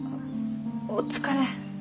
お疲れ。